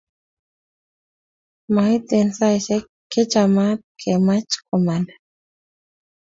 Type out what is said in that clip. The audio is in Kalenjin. Mait eng saishek che chamaat kemach komanda